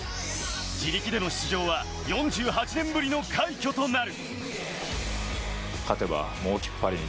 自力での出場は４８年ぶりの快挙となる。